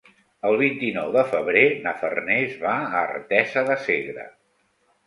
El vint-i-nou de febrer na Farners va a Artesa de Segre.